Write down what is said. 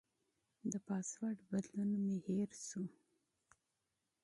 د پاسورډ بدلون مې فراموش شو.